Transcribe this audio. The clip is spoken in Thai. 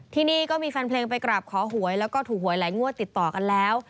ที่นี่ก็มีแฟนเพลงไปกราบขอหวยแล้วก็ถูกหวยหลายงวดติดต่อกันแล้ว